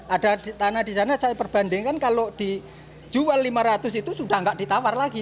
ada tanah di sana saya perbandingkan kalau dijual lima ratus itu sudah tidak ditawar lagi